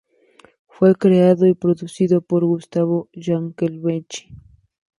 Fue creado y producido por Gustavo Yankelevich.